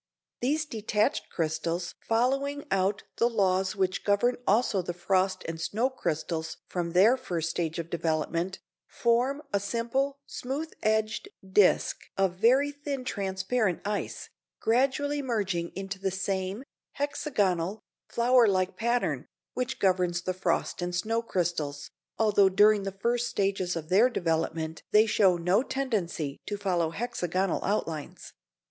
These detached crystals following out the laws which govern also the frost and snow crystals from their first stage of development, form a simple, smooth edged disc of very thin transparent ice, gradually merging into the same, hexagonal, flower like pattern, which governs the frost and snow crystals, although during the first stages of their development they show no tendency to follow hexagonal outlines.